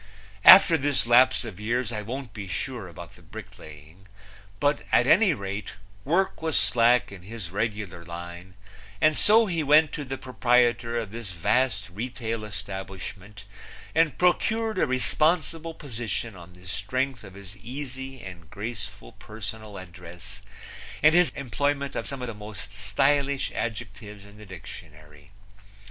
After this lapse of years I won't be sure about the bricklaying, but at any rate, work was slack in his regular line, and so he went to the proprietor of this vast retail establishment and procured a responsible position on the strength of his easy and graceful personal address and his employment of some of the most stylish adjectives in the dictionary.